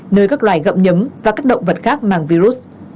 nơi các loài gậm nhấm và các động vật khác mang virus